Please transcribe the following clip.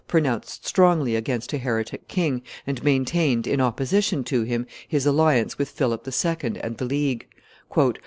pronounced strongly against a heretic king, and maintained, in opposition to him, his alliance with Philip II. and the League.